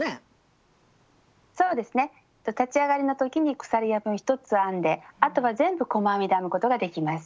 そうですね立ち上がりの時に鎖編みを１つ編んであとは全部細編みで編むことができます。